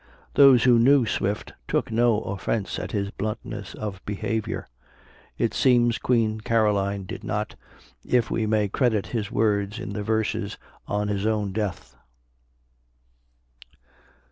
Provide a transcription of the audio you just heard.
Those who knew Swift, took no offence at his bluntness of behavior. It seems Queen Caroline did not, if we may credit his words in the verses on his own death.